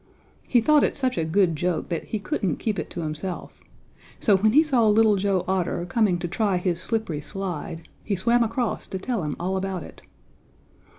He thought it such a good joke that he couldn't keep it to himself, so when he saw Little Joe Otter coming to try his slippery slide he swam across to tell him all about it.